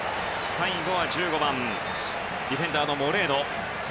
最後は１５番ディフェンダーのモレーノ。